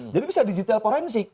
jadi bisa digital forensik